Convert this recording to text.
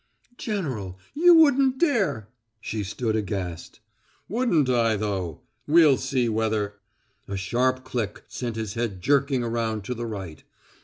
"General! You wouldn't dare!" She stood aghast. "Wouldn't I, though? We'll see whether " A sharp click sent his head jerking around to the right.